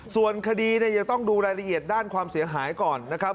ส่วนคดีเนี่ยยังต้องดูรายละเอียดด้านความเสียหายก่อนนะครับ